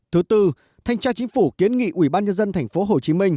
thứ tư thanh tra chính phủ kiến nghị ủy ban nhân dân tp hcm